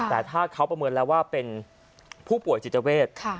แต่ถ้าเขาประเมินแล้วว่าเป็นผู้ป่วยจิตเวท